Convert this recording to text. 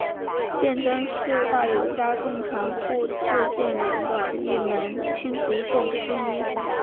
鉴贞是大友家重臣户次鉴连的一门亲族众之一。